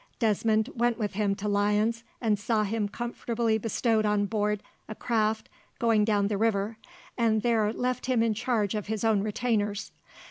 Desmond went with him to Lyons, and saw him comfortably bestowed on board a craft going down the river, and there left him in charge of his own retainers.